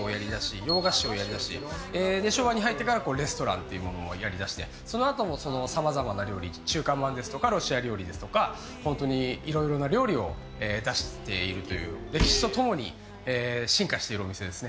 洋菓子をやり出し昭和に入ってからレストランをやり出してそのあとも、さまざまな料理中華まんですとかロシア料理ですとかいろいろな料理を出しているという歴史と共に進化しているお店ですね。